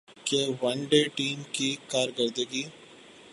کہ one day team کی کارکردگی